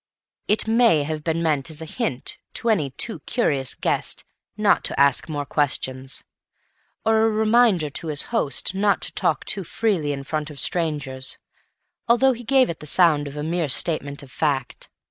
It may have been meant as a hint to any too curious guest not to ask more questions, or a reminder to his host not to talk too freely in front of strangers, although he gave it the sound of a mere statement of fact.